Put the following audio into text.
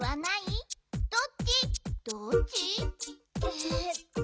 えっと。